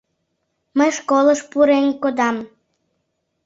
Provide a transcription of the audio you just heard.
Мый школыш пурен кодам...